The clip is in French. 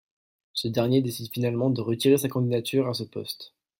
Ce dernier décide finalement de retirer sa candidature à ce poste.